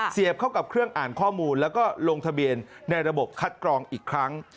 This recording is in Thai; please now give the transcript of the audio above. เข้ากับเครื่องอ่านข้อมูลแล้วก็ลงทะเบียนในระบบคัดกรองอีกครั้ง